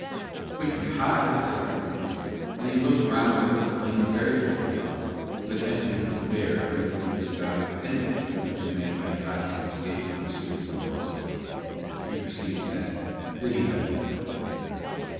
"We can hide," said Rodriguez, and he looked round over the plain, very full of flowers, but empty and bare under the blue sky of any place in which a man might hide to escape from pursuers on horse back. He perceived then that he had no plan.